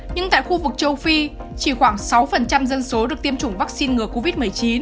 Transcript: nhưng tại khu vực châu phi chỉ khoảng sáu dân số được tiêm chủng vaccine ngừa covid một mươi chín